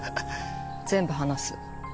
全部話す。